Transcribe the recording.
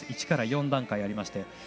１から４段階ありまして。